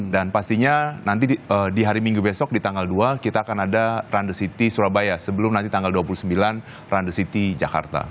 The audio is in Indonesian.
dan pastinya nanti di hari minggu besok di tanggal dua kita akan ada run the city surabaya sebelum nanti tanggal dua puluh sembilan run the city jakarta